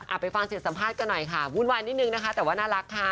ไปฟังเสียงสัมภาษณ์กันหน่อยค่ะวุ่นวายนิดนึงนะคะแต่ว่าน่ารักค่ะ